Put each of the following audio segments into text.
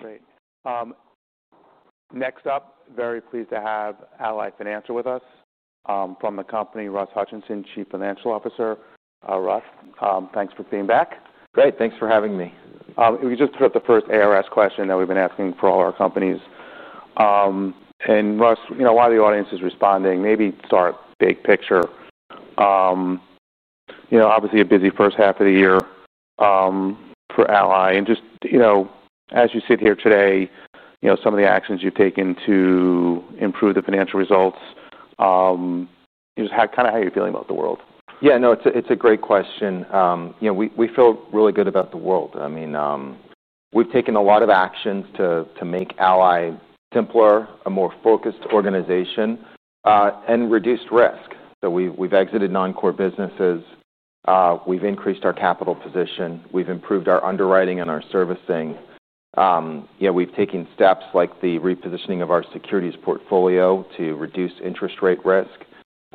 Great. Next up, very pleased to have Ally Financial with us. From the company, Russell Hutchinson, Chief Financial Officer. Russ, thanks for being back. Great, thanks for having me. We just put up the first ARS question that we've been asking for all our companies. Russ, a lot of the audience is responding. Maybe start big picture. Obviously a busy first half of the year for Ally Financial. As you sit here today, some of the actions you've taken to improve the financial results, just kind of how you're feeling about the world. Yeah, no, it's a great question. We feel really good about the world. I mean, we've taken a lot of actions to make Ally Financial simpler, a more focused organization, and reduced risk. We've exited non-core businesses. We've increased our capital position. We've improved our underwriting and our servicing. We've taken steps like the repositioning of our securities portfolio to reduce interest rate risk.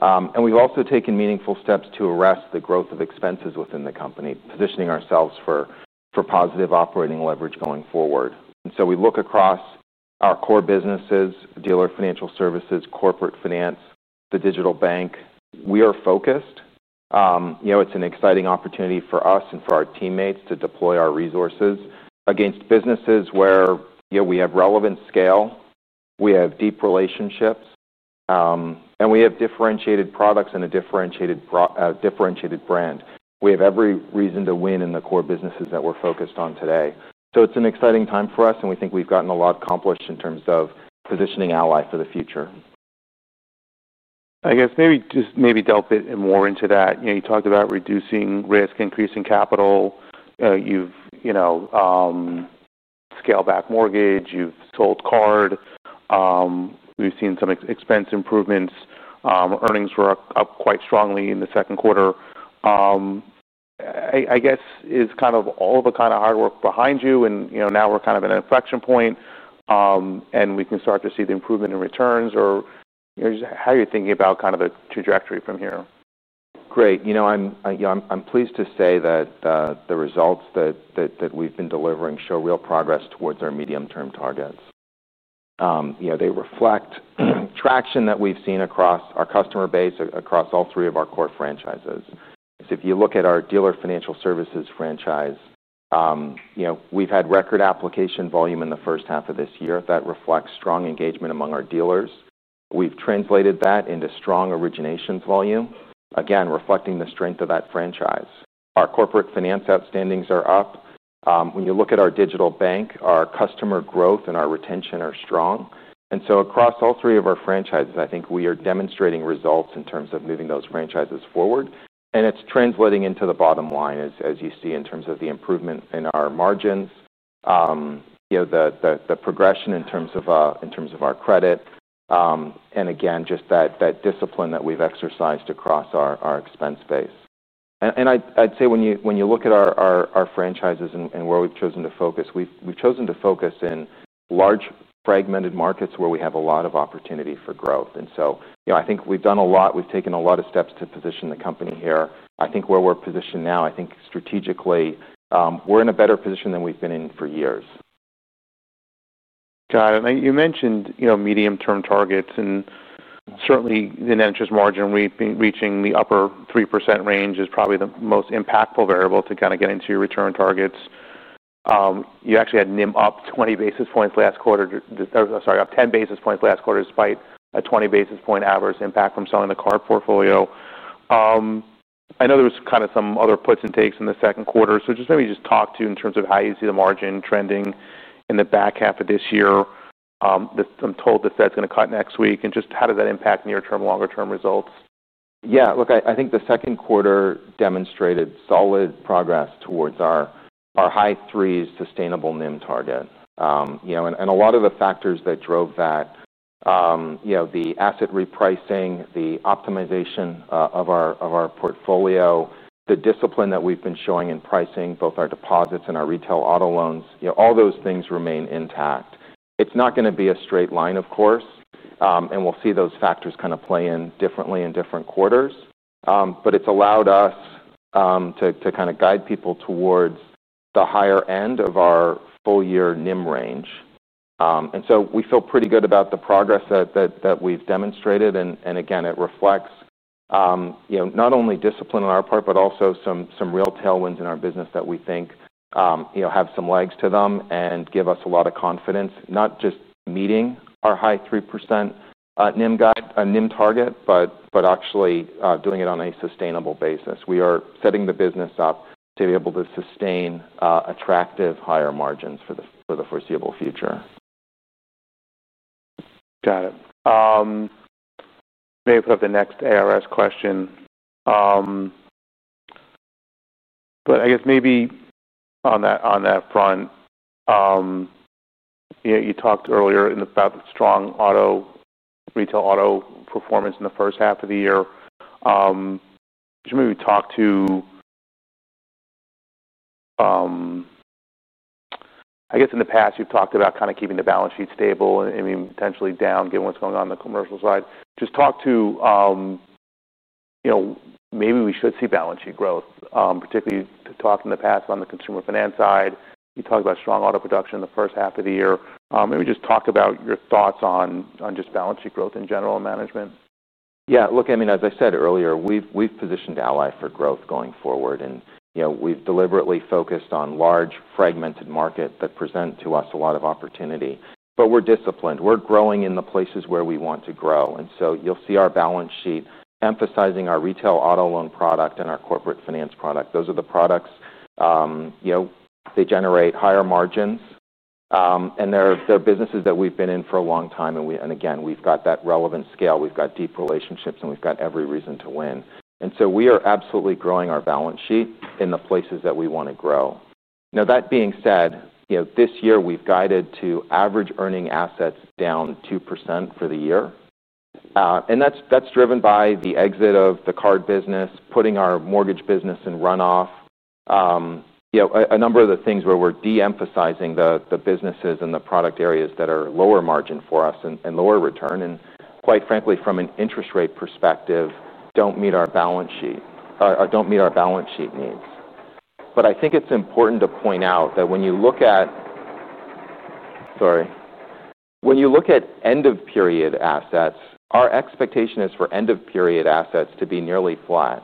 We've also taken meaningful steps to arrest the growth of expenses within the company, positioning ourselves for positive operating leverage going forward. We look across our core businesses, Dealer Financial Services, Corporate Finance, the Digital Bank. We are focused. It's an exciting opportunity for us and for our teammates to deploy our resources against businesses where we have relevant scale, we have deep relationships, and we have differentiated products and a differentiated brand. We have every reason to win in the core businesses that we're focused on today. It's an exciting time for us, and we think we've gotten a lot accomplished in terms of positioning Ally Financial for the future. I guess maybe just delve a bit more into that. You know, you talked about reducing risk, increasing capital. You know, you've scaled back mortgage operations, you've sold credit cards. We've seen some expense improvements. Earnings were up quite strongly in the second quarter. I guess is kind of all of the hard work behind you and, you know, now we're kind of at an inflection point, and we can start to see the improvement in returns or just how you're thinking about kind of the trajectory from here. Great. I'm pleased to say that the results that we've been delivering show real progress towards our medium-term targets. They reflect traction that we've seen across our customer base across all three of our core franchises. If you look at our Dealer Financial Services franchise, we've had record application volume in the first half of this year that reflects strong engagement among our dealers. We've translated that into strong originations volume, again, reflecting the strength of that franchise. Our Corporate Finance outstandings are up. When you look at our Digital Bank, our customer growth and our retention are strong. Across all three of our franchises, I think we are demonstrating results in terms of moving those franchises forward. It's translating into the bottom line, as you see, in terms of the improvement in our margins, the progression in terms of our credit, and just that discipline that we've exercised across our expense space. When you look at our franchises and where we've chosen to focus, we've chosen to focus in large fragmented markets where we have a lot of opportunity for growth. I think we've done a lot. We've taken a lot of steps to position the company here. Where we're positioned now, I think strategically, we're in a better position than we've been in for years. Got it. You mentioned, you know, medium-term targets and certainly the net interest margin, we've been reaching the upper 3% range, is probably the most impactful variable to kind of get into your return targets. You actually had NIM up 10 basis points last quarter despite a 20 basis point adverse impact from selling the card portfolio. I know there was kind of some other puts and takes in the second quarter. Maybe just talk to you in terms of how you see the margin trending in the back half of this year. I'm told the Fed's going to cut next week and just how does that impact near-term, longer-term results? Yeah, look, I think the second quarter demonstrated solid progress towards our high 3% sustainable NIM target. A lot of the factors that drove that, the asset repricing, the optimization of our portfolio, the discipline that we've been showing in pricing both our deposits and our retail auto loans, all those things remain intact. It's not going to be a straight line, of course, and we'll see those factors play in differently in different quarters, but it's allowed us to guide people towards the higher end of our full-year NIM range. We feel pretty good about the progress that we've demonstrated. It reflects not only discipline on our part, but also some real tailwinds in our business that we think have some legs to them and give us a lot of confidence, not just meeting our high 3% NIM target, but actually doing it on a sustainable basis. We are setting the business up to be able to sustain attractive higher margins for the foreseeable future. Got it. Maybe put up the next ARS question. I guess on that front, you talked earlier about the strong auto, retail auto performance in the first half of the year. Just maybe talk to, I guess in the past you've talked about kind of keeping the balance sheet stable and maybe potentially down given what's going on in the commercial side. Just talk to, you know, maybe we should see balance sheet growth, particularly talked in the past on the consumer finance side. You talked about strong auto production in the first half of the year. Maybe just talk about your thoughts on just balance sheet growth in general in management. Yeah, look, I mean, as I said earlier, we've positioned Ally Financial for growth going forward and, you know, we've deliberately focused on large fragmented markets that present to us a lot of opportunity, but we're disciplined. We're growing in the places where we want to grow, and you'll see our balance sheet emphasizing our retail auto loan product and our corporate finance product. Those are the products, you know, they generate higher margins, and they're businesses that we've been in for a long time. Again, we've got that relevant scale. We've got deep relationships and we've got every reason to win. We are absolutely growing our balance sheet in the places that we want to grow. That being said, this year we've guided to average earning assets down 2% for the year, and that's driven by the exit of the credit cards business, putting our mortgage operations in runoff, and a number of the things where we're de-emphasizing the businesses and the product areas that are lower margin for us and lower return and, quite frankly, from an interest rate perspective, don't meet our balance sheet or don't meet our balance sheet needs. I think it's important to point out that when you look at end-of-period assets, our expectation is for end-of-period assets to be nearly flat.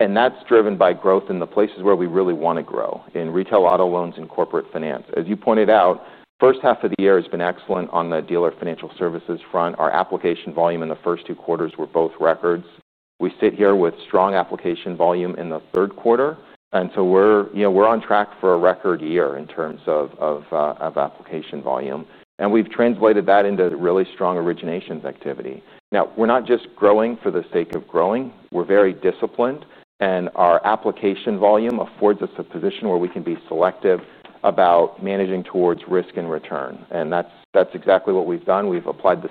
That's driven by growth in the places where we really want to grow in retail auto loans and corporate finance. As you pointed out, the first half of the year has been excellent on the Dealer Financial Services front. Our application volume in the first two quarters were both records. We sit here with strong application volume in the third quarter, and we're on track for a record year in terms of application volume. We've translated that into really strong originations activity. We're not just growing for the sake of growing. We're very disciplined and our application volume affords us a position where we can be selective about managing towards risk and return. That's exactly what we've done. We've applied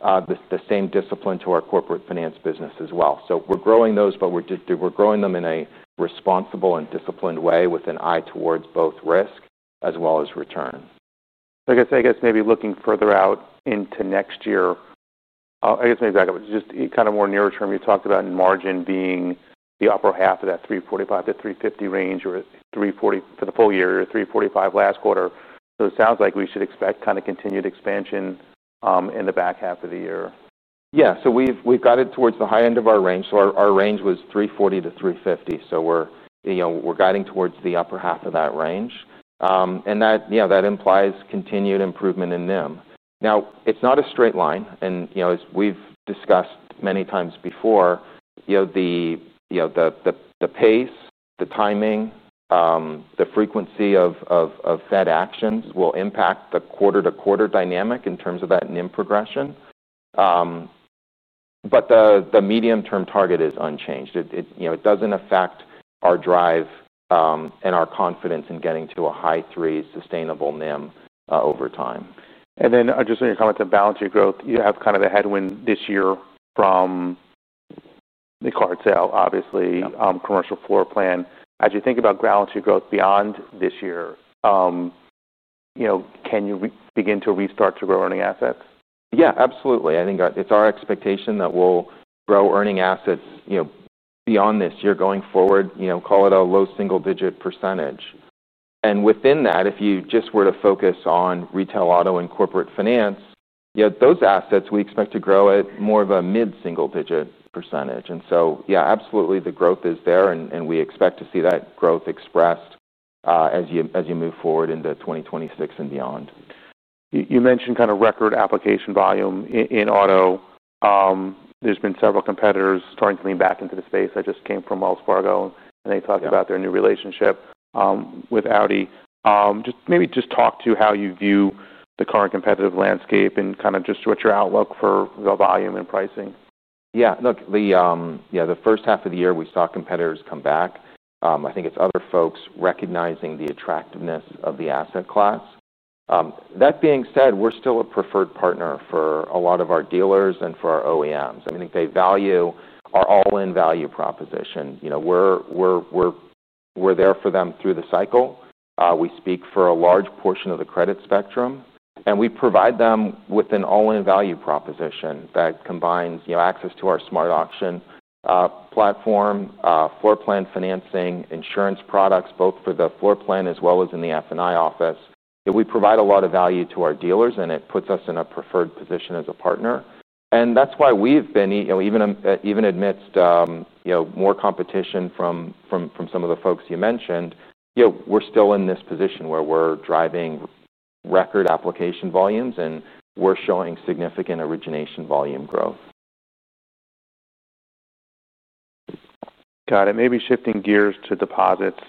the same discipline to our corporate finance business as well. We're growing those, but we're growing them in a responsible and disciplined way with an eye towards both risk as well as return. Like I said, maybe looking further out into next year, maybe back up just kind of more nearer term, you talked about margin being the upper half of that 345 to 350 range or 340 for the full year or 345 last quarter. It sounds like we should expect kind of continued expansion in the back half of the year. Yeah, we've guided towards the high end of our range. Our range was 340 to 350, so we're guiding towards the upper half of that range. That implies continued improvement in them. It's not a straight line, and as we've discussed many times before, the pace, the timing, the frequency of Fed actions will impact the quarter-to-quarter dynamic in terms of that NIM progression. The medium-term target is unchanged. It doesn't affect our drive and our confidence in getting to a high three sustainable NIM over time. In your comment to balance your growth, you have kind of the headwind this year from the card sale, obviously, commercial floor plan. As you think about balance your growth beyond this year, can you begin to restart to grow earning assets? Absolutely. I think it's our expectation that we'll grow earning assets beyond this year going forward, call it a low single-digit %. Within that, if you just were to focus on retail auto and corporate finance, those assets we expect to grow at more of a mid-single-digit %. Absolutely, the growth is there and we expect to see that growth expressed as you move forward into 2026 and beyond. You mentioned kind of record application volume in auto. There's been several competitors starting to lean back into the space. I just came from Wells Fargo and they talked about their new relationship with Audi. Just maybe talk to how you view the current competitive landscape and kind of just what your outlook for the volume and pricing. Yeah, look, the first half of the year we saw competitors come back. I think it's other folks recognizing the attractiveness of the asset class. That being said, we're still a preferred partner for a lot of our dealers and for our OEMs. I mean, I think they value our all-in value proposition. You know, we're there for them through the cycle. We speak for a large portion of the credit spectrum, and we provide them with an all-in value proposition that combines access to our SmartAuction platform, floor plan financing, insurance products both for the floor plan as well as in the F&I office. We provide a lot of value to our dealers and it puts us in a preferred position as a partner. That's why we've been, even amidst more competition from some of the folks you mentioned, we're still in this position where we're driving record application volumes and we're showing significant origination volume growth. Got it. Maybe shifting gears to deposits.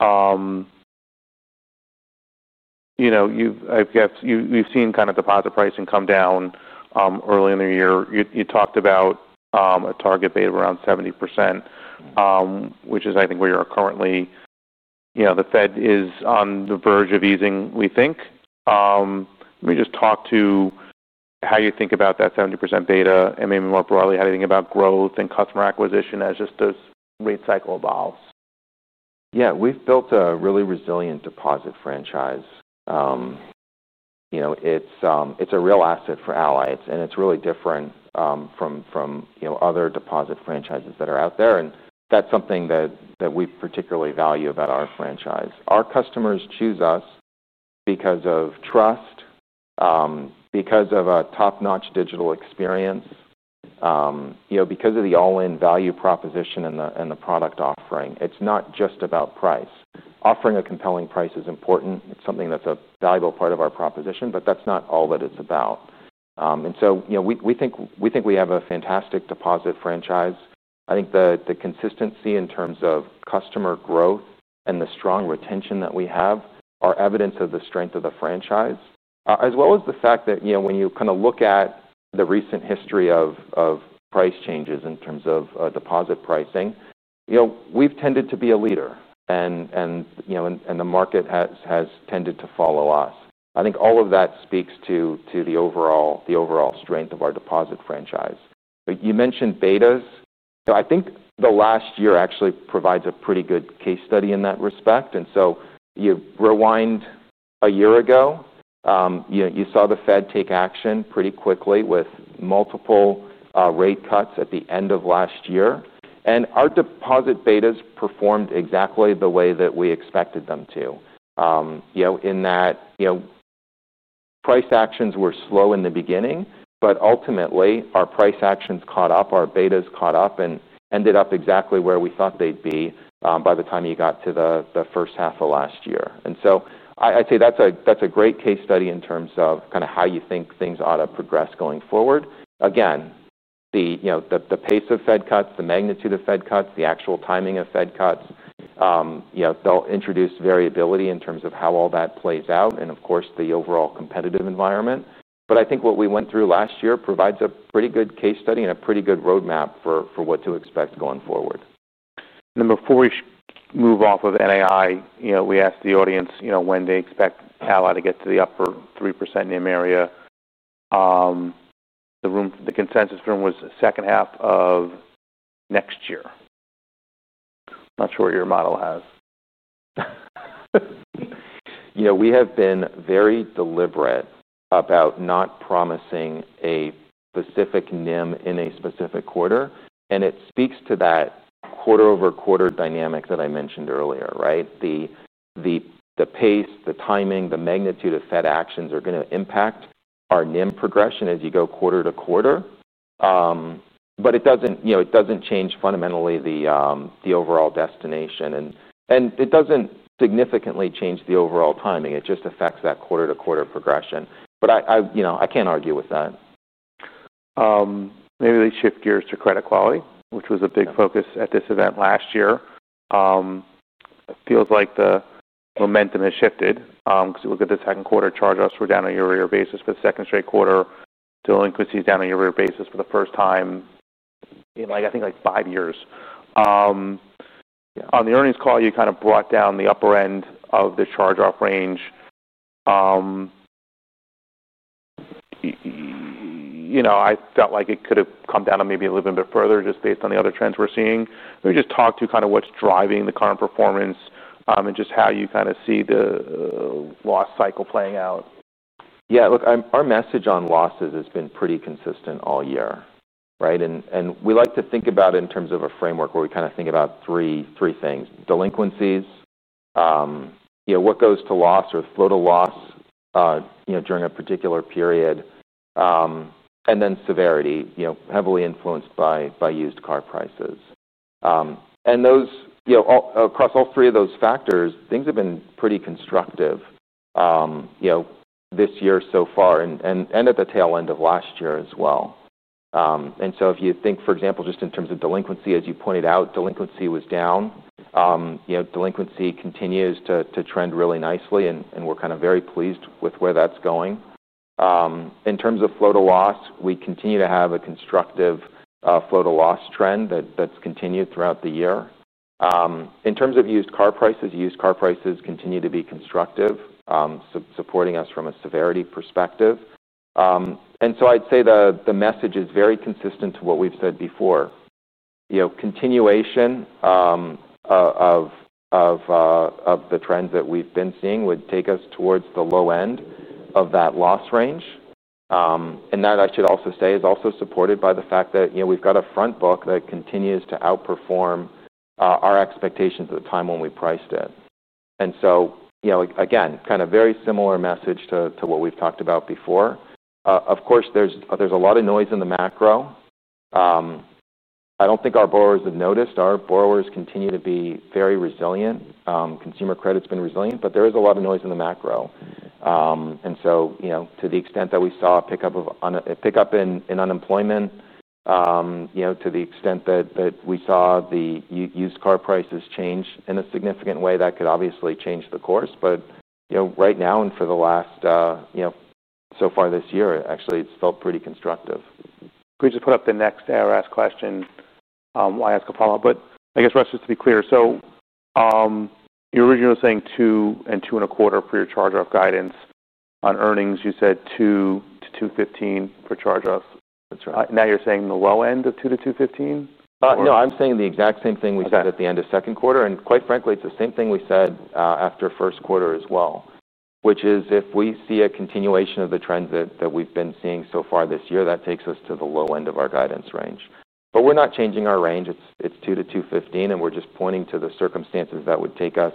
You know, you've seen kind of deposit pricing come down early in the year. You talked about a target rate of around 70%, which is, I think, where you are currently. You know, the Fed is on the verge of easing, we think. Let me just talk to how you think about that 70% data and maybe more broadly, how do you think about growth and customer acquisition as this rate cycle evolves? Yeah, we've built a really resilient deposit franchise. It's a real asset for Ally Financial. It's really different from other deposit franchises that are out there, and that's something that we particularly value about our franchise. Our customers choose us because of trust, because of a top-notch digital experience, because of the all-in value proposition and the product offering. It's not just about price. Offering a compelling price is important. It's something that's a valuable part of our proposition, but that's not all that it's about. We think we have a fantastic deposit franchise. I think the consistency in terms of customer growth and the strong retention that we have are evidence of the strength of the franchise, as well as the fact that when you look at the recent history of price changes in terms of deposit pricing, we've tended to be a leader and the market has tended to follow us. I think all of that speaks to the overall strength of our deposit franchise. You mentioned betas. I think the last year actually provides a pretty good case study in that respect. If you rewind a year ago, you saw the Fed take action pretty quickly with multiple rate cuts at the end of last year. Our deposit betas performed exactly the way that we expected them to, in that price actions were slow in the beginning, but ultimately our price actions caught up, our betas caught up and ended up exactly where we thought they'd be by the time you got to the first half of last year. I'd say that's a great case study in terms of how you think things ought to progress going forward. The pace of Fed cuts, the magnitude of Fed cuts, the actual timing of Fed cuts, they'll introduce variability in terms of how all that plays out and of course the overall competitive environment. I think what we went through last year provides a pretty good case study and a pretty good roadmap for what to expect going forward. Before we move off of NAI, we asked the audience when they expect Ally to get to the upper 3% NIM area. The consensus in the room was second half of next year. I'm not sure what your model has. We have been very deliberate about not promising a specific NIM in a specific quarter. It speaks to that quarter-over-quarter dynamic that I mentioned earlier, right? The pace, the timing, the magnitude of Fed actions are going to impact our NIM progression as you go quarter to quarter. It doesn't change fundamentally the overall destination, and it doesn't significantly change the overall timing. It just affects that quarter-to-quarter progression. I can't argue with that. Maybe they shift gears to credit quality, which was a big focus at this event last year. It feels like the momentum has shifted, because you look at the second quarter charge-offs were down on a year-over-year basis for the second straight quarter. Delinquencies down on a year-over-year basis for the first time in, I think, like five years. Yeah, on the earnings call, you kind of brought down the upper end of the charge-off range. I felt like it could have come down maybe a little bit further just based on the other trends we're seeing. Maybe just talk to kind of what's driving the current performance, and just how you kind of see the loss cycle playing out. Yeah, look, our message on losses has been pretty consistent all year, right? We like to think about it in terms of a framework where we kind of think about three things: delinquencies, what goes to loss or flow to loss during a particular period, and then severity, heavily influenced by used car prices. Across all three of those factors, things have been pretty constructive this year so far and at the tail end of last year as well. If you think, for example, just in terms of delinquency, as you pointed out, delinquency was down. Delinquency continues to trend really nicely, and we're kind of very pleased with where that's going. In terms of flow to loss, we continue to have a constructive flow to loss trend that's continued throughout the year. In terms of used car prices, used car prices continue to be constructive, supporting us from a severity perspective. I'd say the message is very consistent to what we've said before. Continuation of the trends that we've been seeing would take us towards the low end of that loss range. I should also say that is also supported by the fact that we've got a front book that continues to outperform our expectations at the time when we priced it. Again, kind of very similar message to what we've talked about before. Of course, there's a lot of noise in the macro. I don't think our borrowers have noticed. Our borrowers continue to be very resilient. Consumer credit's been resilient, but there is a lot of noise in the macro. To the extent that we saw a pickup in unemployment, to the extent that we saw the used car prices change in a significant way, that could obviously change the course. Right now and for the last, so far this year, it actually has felt pretty constructive. Could you just put up the next ARS question? I'll ask a follow-up, but I guess Russ is to be clear. You originally were saying 2 and 2.25 for your charge-off guidance on earnings. You said 2 to 2.15 for charge-offs. That's right. Now you're saying the low end of 2 to 2.15? No, I'm saying the exact same thing we said at the end of the second quarter. Quite frankly, it's the same thing we said after the first quarter as well, which is if we see a continuation of the trends that we've been seeing so far this year, that takes us to the low end of our guidance range. We're not changing our range. It's $2.00 to $2.15, and we're just pointing to the circumstances that would take us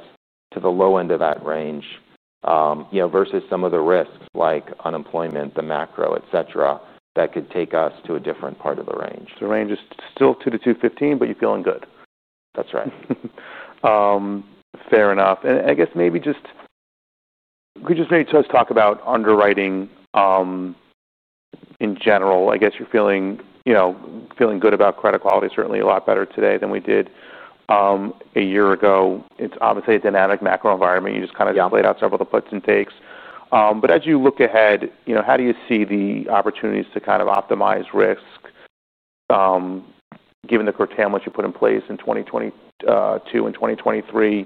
to the low end of that range, versus some of the risks like unemployment, the macro, et cetera, that could take us to a different part of the range. The range is still 2 to 215, but you're feeling good. That's right. Fair enough. Could you just maybe talk about underwriting in general? I guess you're feeling good about credit quality, certainly a lot better today than we did a year ago. It's obviously a dynamic macro environment. You just kind of played out several of the puts and takes. As you look ahead, how do you see the opportunities to optimize risk, given the curtailments you put in place in 2022 and 2023?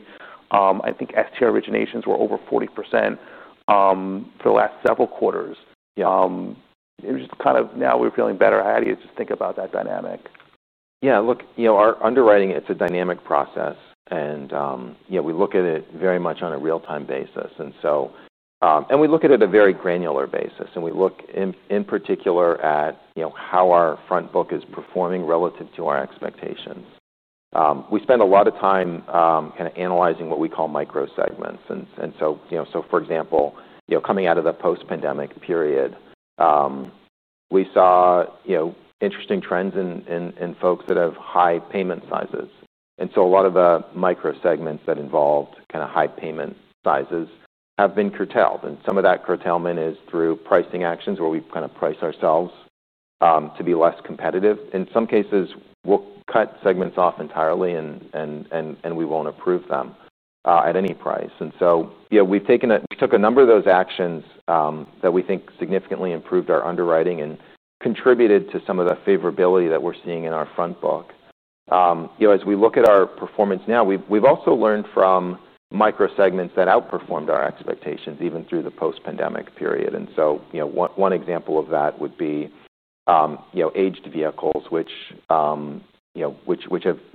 I think STR originations were over 40% for the last several quarters. Now we're feeling better. How do you think about that dynamic? Yeah, look, our underwriting, it's a dynamic process. We look at it very much on a real-time basis, and we look at it at a very granular basis. We look in particular at how our front book is performing relative to our expectations. We spend a lot of time analyzing what we call micro-segments. For example, coming out of the post-pandemic period, we saw interesting trends in folks that have high payment sizes. A lot of the micro-segments that involved high payment sizes have been curtailed. Some of that curtailment is through pricing actions where we've priced ourselves to be less competitive. In some cases, we'll cut segments off entirely and we won't approve them at any price. We've taken a number of those actions that we think significantly improved our underwriting and contributed to some of the favorability that we're seeing in our front book. As we look at our performance now, we've also learned from micro-segments that outperformed our expectations even through the post-pandemic period. One example of that would be aged vehicles, which have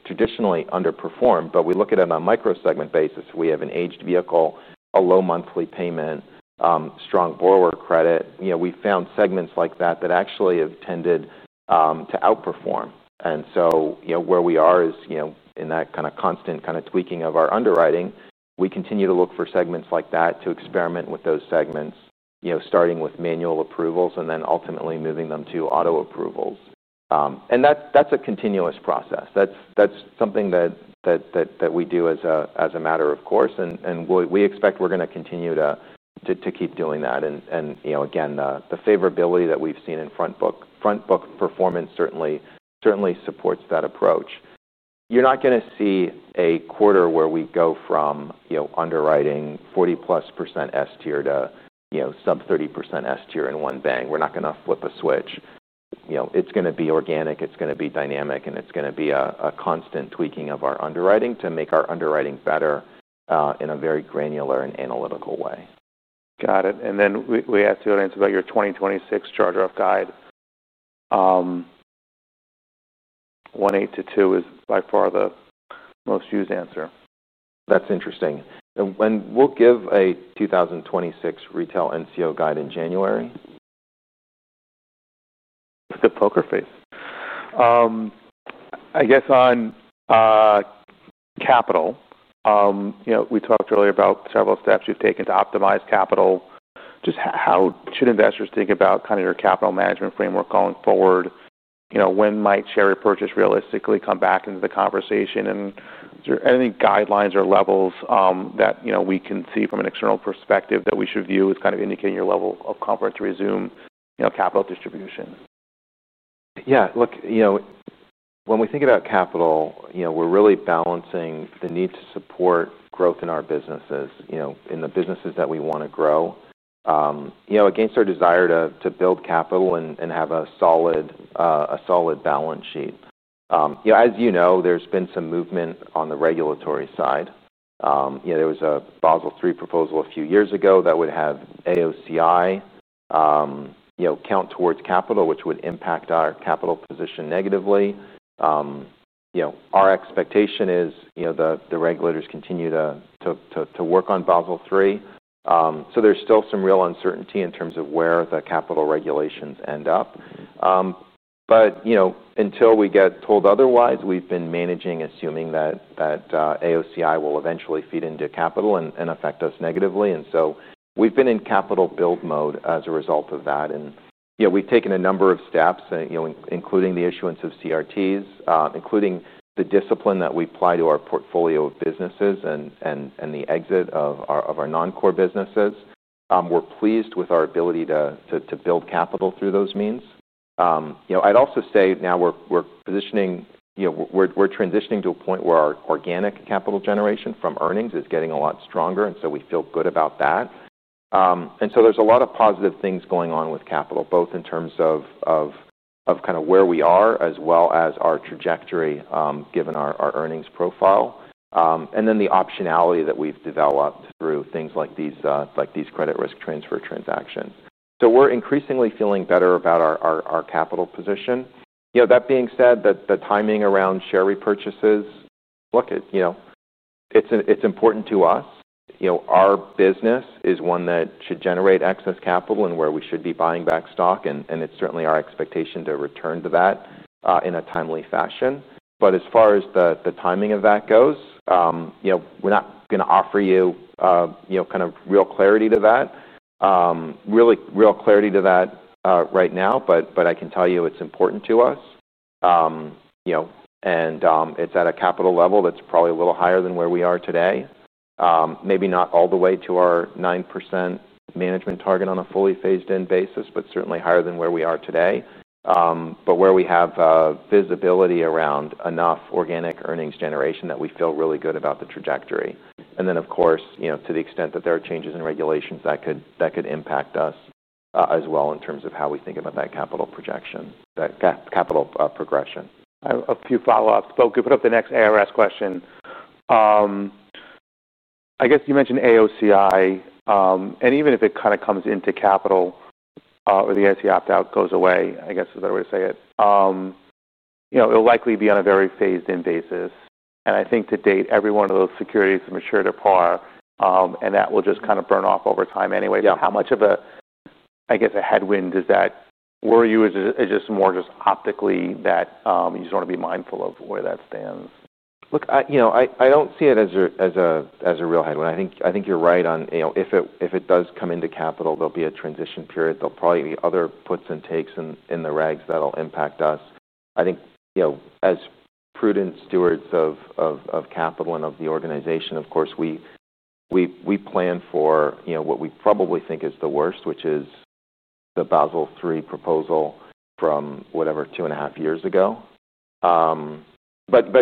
traditionally underperformed. We look at it on a micro-segment basis. We have an aged vehicle, a low monthly payment, strong borrower credit. We found segments like that that actually have tended to outperform. Where we are is in that kind of constant tweaking of our underwriting. We continue to look for segments like that, to experiment with those segments, starting with manual approvals and then ultimately moving them to auto approvals. That's a continuous process. That's something that we do as a matter of course, and we expect we're going to continue to keep doing that. The favorability that we've seen in front book performance certainly supports that approach. You're not going to see a quarter where we go from underwriting 40+% S-tier to sub-30% S-tier in one bang. We're not going to flip a switch. It's going to be organic. It's going to be dynamic, and it's going to be a constant tweaking of our underwriting to make our underwriting better in a very granular and analytical way. Got it. We asked the audience about your 2026 charge-off guidance. 1.8% to 2% is by far the most used answer. That's interesting. We will give a 2026 retail NCO guide in January. On capital, you know, we talked earlier about several steps you've taken to optimize capital. Just how should investors think about your capital management framework going forward? When might share repurchase realistically come back into the conversation? Is there any guidelines or levels that we can see from an external perspective that we should view as indicating your level of comfort to resume capital distribution? Yeah, look, when we think about capital, we're really balancing the need to support growth in our businesses, in the businesses that we want to grow, against our desire to build capital and have a solid, solid balance sheet. As you know, there's been some movement on the regulatory side. There was a Basel III proposal a few years ago that would have AOCI count towards capital, which would impact our capital position negatively. Our expectation is the regulators continue to work on Basel III, so there's still some real uncertainty in terms of where the capital regulations end up. Until we get told otherwise, we've been managing assuming that AOCI will eventually feed into capital and affect us negatively. We've been in capital build mode as a result of that. We've taken a number of steps, including the issuance of CRTs, including the discipline that we apply to our portfolio of businesses and the exit of our non-core businesses. We're pleased with our ability to build capital through those means. I'd also say now we're positioning, we're transitioning to a point where our organic capital generation from earnings is getting a lot stronger, and we feel good about that. There's a lot of positive things going on with capital, both in terms of where we are as well as our trajectory, given our earnings profile, and then the optionality that we've developed through things like these credit risk transfer transactions. We're increasingly feeling better about our capital position. That being said, the timing around share repurchases, look, it's important to us. Our business is one that should generate excess capital and where we should be buying back stock, and it's certainly our expectation to return to that in a timely fashion. As far as the timing of that goes, we're not going to offer you real clarity to that right now, but I can tell you it's important to us, and it's at a capital level that's probably a little higher than where we are today, maybe not all the way to our 9% management target on a fully phased-in basis, but certainly higher than where we are today, where we have visibility around enough organic earnings generation that we feel really good about the trajectory. Of course, to the extent that there are changes in regulations that could impact us as well in terms of how we think about that capital projection, that capital progression. A few follow-ups, could you put up the next ARS question? You mentioned AOCI, and even if it kind of comes into capital, or the SE opt-out goes away, I guess the better way to say it, it'll likely be on a very phased-in basis. I think to date, every one of those securities has matured apart, and that will just kind of burn off over time anyway. How much of a headwind is that? Were you just more just optically that you just want to be mindful of where that stands? Look, I don't see it as a real headwind. I think you're right on, if it does come into capital, there'll be a transition period. There'll probably be other puts and takes in the regs that'll impact us. I think, as prudent stewards of capital and of the organization, of course, we plan for what we probably think is the worst, which is the Basel III proposal from whatever, two and a half years ago.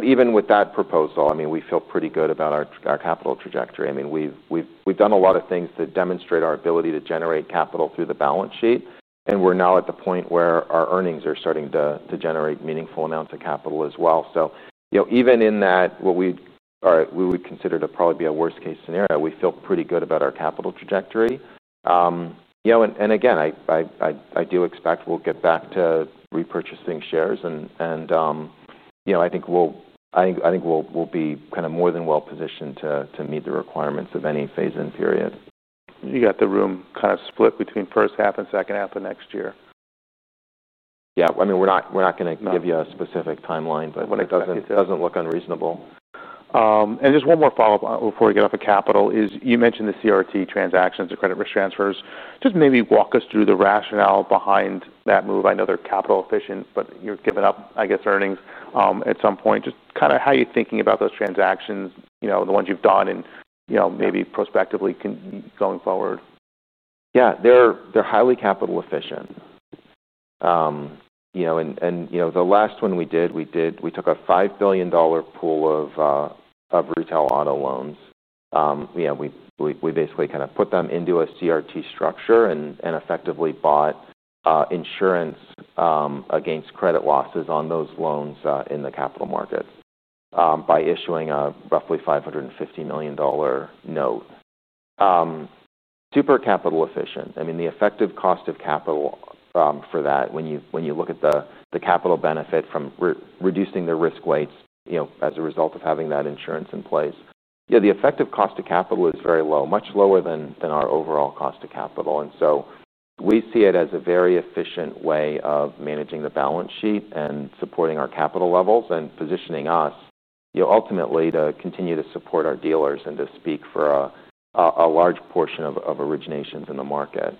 Even with that proposal, we feel pretty good about our capital trajectory. We've done a lot of things to demonstrate our ability to generate capital through the balance sheet, and we're now at the point where our earnings are starting to generate meaningful amounts of capital as well. Even in what we would consider to probably be a worst-case scenario, we feel pretty good about our capital trajectory. Again, I do expect we'll get back to repurchasing shares, and I think we'll be kind of more than well positioned to meet the requirements of any phase-in period. You got the room kind of split between first half and second half of next year. Yeah, I mean, we're not going to give you a specific timeline, but when it doesn't look unreasonable. Just one more follow-up before we get off of capital. You mentioned the CRT transactions or credit risk transfers. Maybe walk us through the rationale behind that move. I know they're capital efficient, but you're giving up, I guess, earnings at some point. Just kind of how you're thinking about those transactions, the ones you've done and maybe prospectively going forward. Yeah, they're highly capital efficient. You know, the last one we did, we took a $5 billion pool of retail auto loans. We basically kind of put them into a credit risk transfer (CRT) structure and effectively bought insurance against credit losses on those loans in the capital market by issuing a roughly $550 million note. Super capital efficient. I mean, the effective cost of capital for that, when you look at the capital benefit from reducing the risk weights as a result of having that insurance in place, the effective cost of capital is very low, much lower than our overall cost of capital. We see it as a very efficient way of managing the balance sheet and supporting our capital levels and positioning us ultimately to continue to support our dealers and to speak for a large portion of originations in the market.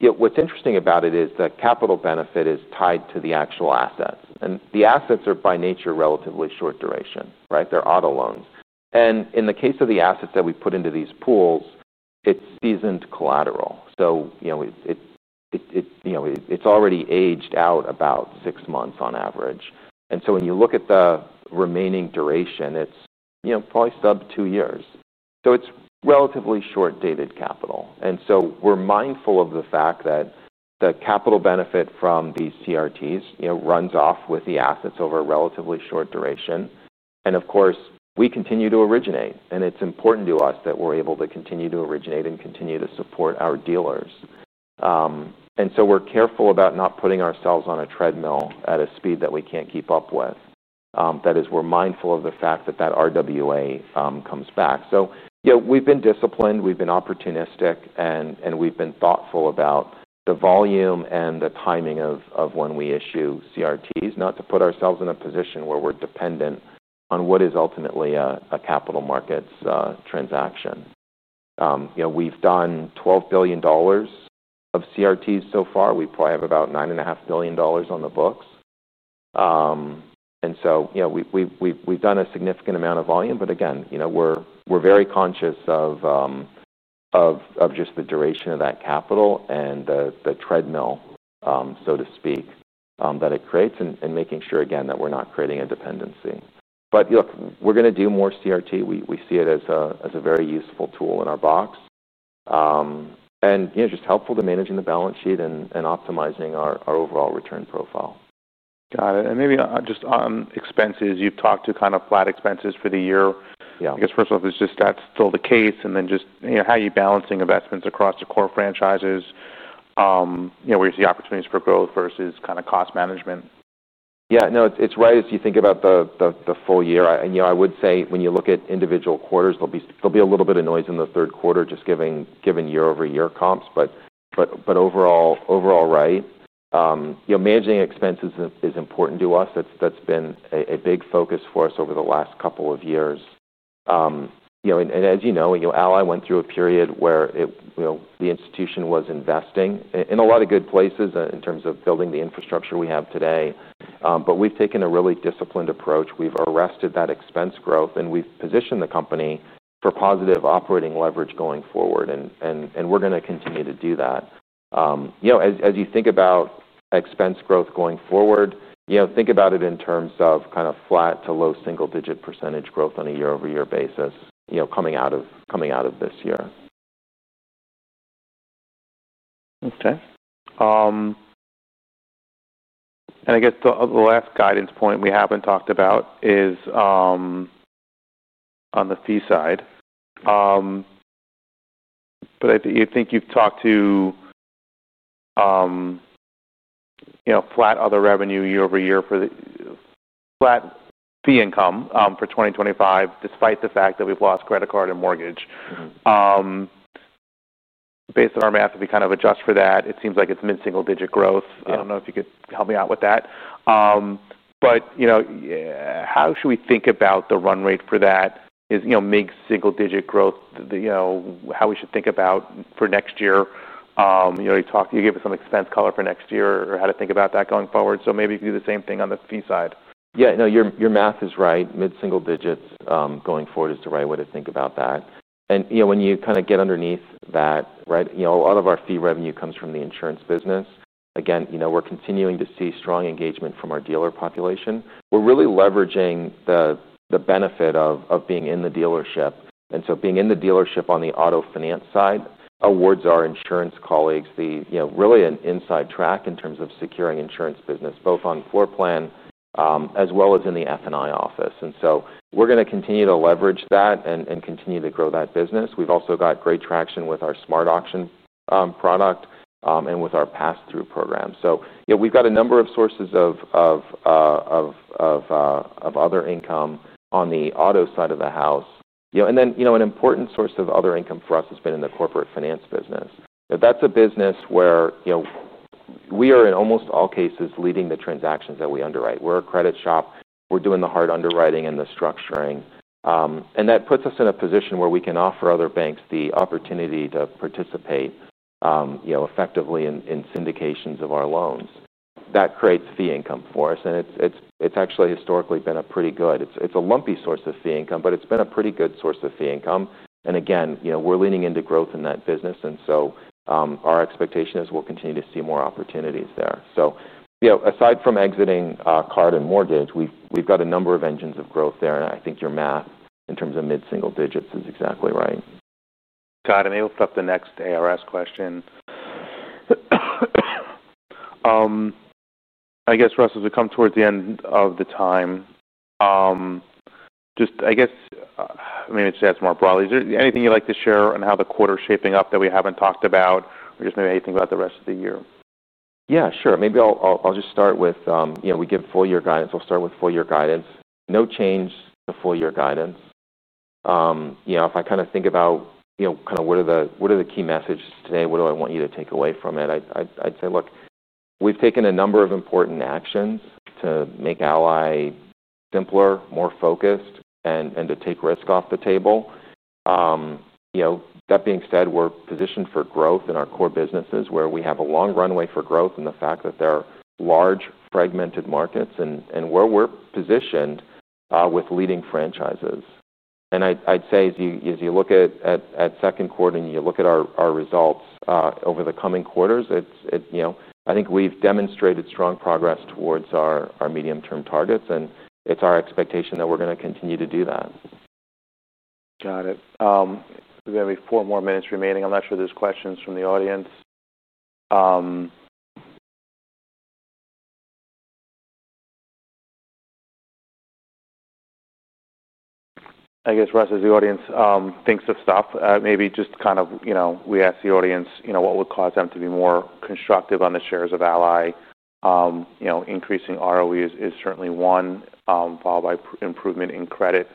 What's interesting about it is that capital benefit is tied to the actual assets. The assets are by nature relatively short duration, right? They're auto loans. In the case of the assets that we put into these pools, it's seasoned collateral. It's already aged out about six months on average. When you look at the remaining duration, it's probably sub two years. It's relatively short-dated capital. We're mindful of the fact that the capital benefit from these CRTs runs off with the assets over a relatively short duration. Of course, we continue to originate. It's important to us that we're able to continue to originate and continue to support our dealers. We're careful about not putting ourselves on a treadmill at a speed that we can't keep up with. That is, we're mindful of the fact that RWA comes back. We've been disciplined, we've been opportunistic, and we've been thoughtful about the volume and the timing of when we issue CRTs, not to put ourselves in a position where we're dependent on what is ultimately a capital markets transaction. We've done $12 billion of CRTs so far. We probably have about $9.5 billion on the books. We've done a significant amount of volume, but again, we're very conscious of just the duration of that capital and the treadmill, so to speak, that it creates and making sure, again, that we're not creating a dependency. Look, we're going to do more CRT. We see it as a very useful tool in our box and just helpful to managing the balance sheet and optimizing our overall return profile. Got it. Maybe just on expenses, you've talked to kind of flat expenses for the year. Is that still the case? How are you balancing investments across the core franchises? Where's the opportunities for growth versus kind of cost management? Yeah, it's right as you think about the full year. I would say when you look at individual quarters, there'll be a little bit of noise in the third quarter, just giving year-over-year comps. Overall, managing expenses is important to us. That's been a big focus for us over the last couple of years. As you know, Ally Financial went through a period where the institution was investing in a lot of good places in terms of building the infrastructure we have today, but we've taken a really disciplined approach. We've arrested that expense growth, and we've positioned the company for positive operating leverage going forward. We're going to continue to do that. As you think about expense growth going forward, think about it in terms of kind of flat to low single-digit % growth on a year-over-year basis, coming out of this year. Okay. I guess the last guidance point we haven't talked about is, on the fee side. I think you've talked to, you know, flat other revenue year-over-year for the flat fee income, for 2025, despite the fact that we've lost credit card and mortgage. Based on our math, if we kind of adjust for that, it seems like it's mid-single-digit growth. I don't know if you could help me out with that. You know, how should we think about the run rate for that? Is, you know, mid-single-digit growth, you know, how we should think about for next year? You know, you talked, you gave us some expense color for next year or how to think about that going forward. Maybe you can do the same thing on the fee side. Yeah, no, your math is right. Mid-single digits, going forward is the right way to think about that. When you kind of get underneath that, a lot of our fee revenue comes from the insurance business. Again, we're continuing to see strong engagement from our dealer population. We're really leveraging the benefit of being in the dealership. Being in the dealership on the auto financing side awards our insurance colleagues really an inside track in terms of securing insurance business, both on floor plan as well as in the F&I office. We're going to continue to leverage that and continue to grow that business. We've also got great traction with our SmartAuction product and with our pass-through program. We've got a number of sources of other income on the auto side of the house. An important source of other income for us has been in the Corporate Finance business. That's a business where we are in almost all cases leading the transactions that we underwrite. We're a credit shop. We're doing the hard underwriting and the structuring, and that puts us in a position where we can offer other banks the opportunity to participate effectively in syndications of our loans. That creates fee income for us. It's actually historically been a pretty good, it's a lumpy source of fee income, but it's been a pretty good source of fee income. Again, we're leaning into growth in that business, and our expectation is we'll continue to see more opportunities there. Aside from exiting credit cards and mortgage operations, we've got a number of engines of growth there. I think your math in terms of mid-single digits is exactly right. Got it. Maybe we'll put up the next ARS question. Russ, as we come towards the end of the time, maybe I should ask more broadly. Is there anything you'd like to share on how the quarter's shaping up that we haven't talked about or how you think about the rest of the year? Yeah, sure. Maybe I'll just start with, you know, we give full-year guidance. We'll start with full-year guidance. No change to full-year guidance. You know, if I kind of think about, you know, what are the key messages today? What do I want you to take away from it? I'd say, look, we've taken a number of important actions to make Ally Financial simpler, more focused, and to take risk off the table. You know, that being said, we're positioned for growth in our core businesses where we have a long runway for growth and the fact that there are large fragmented markets where we're positioned, with leading franchises. I'd say as you look at second quarter and you look at our results over the coming quarters, I think we've demonstrated strong progress towards our medium-term targets, and it's our expectation that we're going to continue to do that. Got it. We've got maybe four more minutes remaining. I'm not sure there's questions from the audience. I guess, Russ, as the audience thinks of stuff, maybe just kind of, you know, we ask the audience, you know, what would cause them to be more constructive on the shares of Ally? You know, increasing ROE is certainly one, followed by improvement in credit,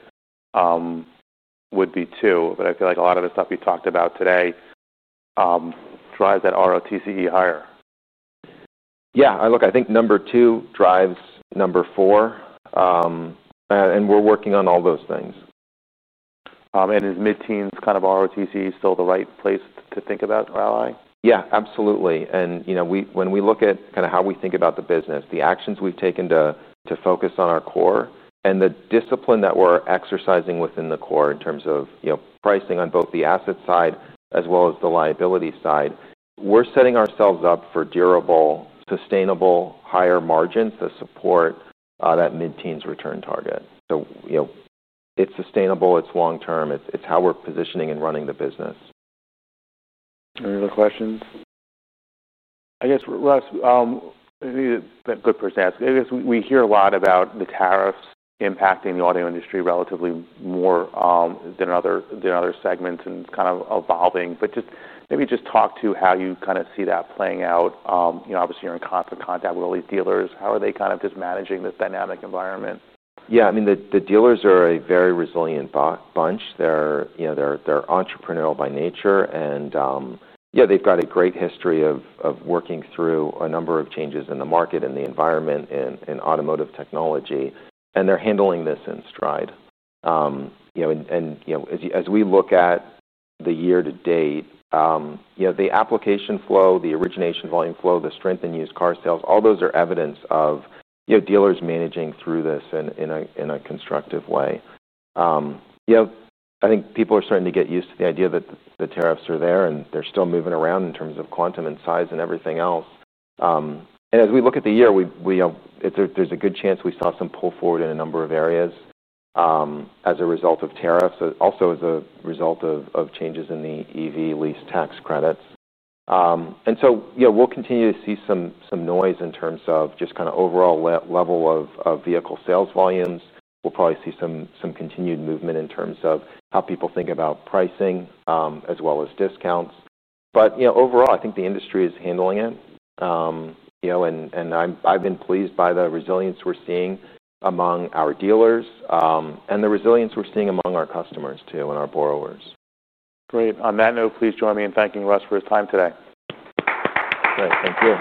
would be two. I feel like a lot of the stuff you talked about today drives that ROTCE higher. Yeah, look, I think number two drives number four. We're working on all those things. Is mid-teens kind of ROTCE still the right place to think about Ally? Absolutely. When we look at kind of how we think about the business, the actions we've taken to focus on our core and the discipline that we're exercising within the core in terms of pricing on both the asset side as well as the liability side, we're setting ourselves up for durable, sustainable higher margins to support that mid-teens return target. It's sustainable, it's long-term, it's how we're positioning and running the business. Any other questions? I guess, Russ, I think it's a good person to ask. I guess we hear a lot about the tariffs impacting the auto industry relatively more than other segments, and it's kind of evolving. Maybe just talk to how you kind of see that playing out. You know, obviously you're in constant contact with elite dealers. How are they kind of just managing this dynamic environment? Yeah, I mean, the dealers are a very resilient bunch. They're entrepreneurial by nature, and they've got a great history of working through a number of changes in the market and the environment and automotive technology. They're handling this in stride. As we look at the year to date, the application flow, the origination volume flow, the strength in used car sales, all those are evidence of dealers managing through this in a constructive way. I think people are starting to get used to the idea that the tariffs are there and they're still moving around in terms of quantum and size and everything else. As we look at the year, there's a good chance we saw some pull forward in a number of areas as a result of tariffs, also as a result of changes in the EV lease tax credits. We'll continue to see some noise in terms of just kind of overall level of vehicle sales volumes. We'll probably see some continued movement in terms of how people think about pricing, as well as discounts. Overall, I think the industry is handling it. I've been pleased by the resilience we're seeing among our dealers, and the resilience we're seeing among our customers too and our borrowers. Great. On that note, please join me in thanking Russell Hutchinson for his time today. Great, thank you.